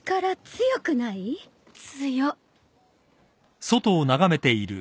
強っ。